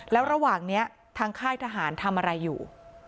แล้วระหว่างนี้ทางค่ายทหารทำอะไรอยู่